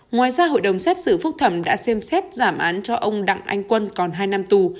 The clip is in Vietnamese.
ngoài ra hội đồng xét xử phúc thẩm đã xem xét giảm án cho ông đặng anh quân còn hai năm tù